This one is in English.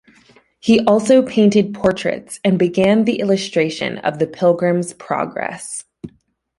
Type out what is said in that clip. He also painted portraits and began the illustration of "The Pilgrim's Progress".